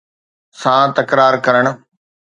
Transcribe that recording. سان تڪرار ڪرڻ